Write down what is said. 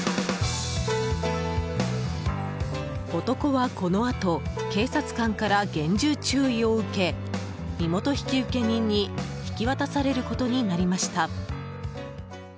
男は、このあと警察官から厳重注意を受け身元引受人に引き渡されることになりました。